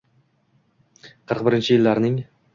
Qirq birinchi yillarning